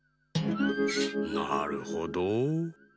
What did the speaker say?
なるほど。